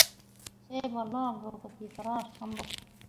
সে বলল, অগ্রগতি করা অসম্ভব।